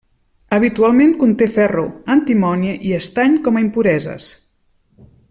Habitualment conté ferro, antimoni i estany com a impureses.